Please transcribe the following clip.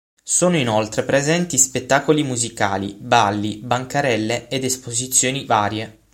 Sono inoltre presenti spettacoli musicali, balli, bancarelle ed esposizioni varie.